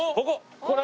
これ？